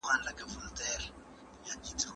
زموږ تعلیم باید د نوښت روح ولري.